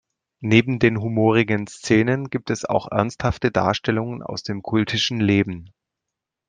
Neben den humorigen Szenen gibt es auch ernsthafte Darstellungen aus dem kultischen Leben.